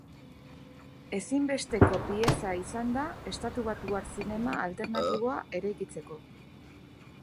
Ezinbesteko pieza izan da estatubatuar zinema alternatiboa eraikitzeko.